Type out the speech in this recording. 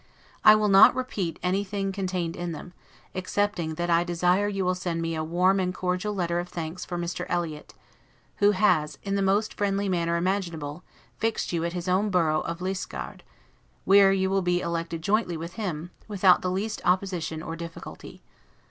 I will not repeat anything contained in them, excepting that I desire you will send me a warm and cordial letter of thanks for Mr. Eliot; who has, in the most friendly manner imaginable, fixed you at his own borough of Liskeard, where you will be elected jointly with him, without the least opposition or difficulty.